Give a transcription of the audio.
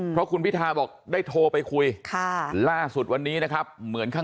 เพราะคุณพิทาบอกได้โทรไปคุยล่าสุดวันนี้นะครับเหมือนเขา